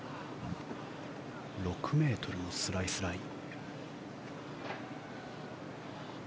６ｍのスライスライン。